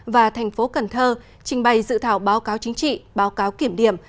và thành phố cần thơ trình bày dự thảo báo cáo chính trị báo cáo kiểm điểm